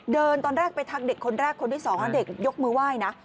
เดินตอนแรกไปทักเด็กคนแรกคนที่๒นะฮะเด็กยกมือไหว้นะ